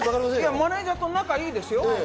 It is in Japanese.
マネジャーと仲いいですよ。